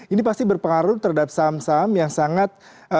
ini pasti berpengaruh terhadap saham saham yang sangat